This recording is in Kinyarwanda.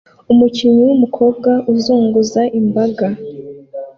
Umukinnyi wumukobwa uzunguza imbaga